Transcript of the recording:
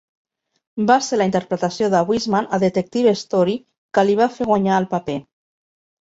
Va ser la interpretació de Wiseman a Detective Story que li va fer guanyar el paper.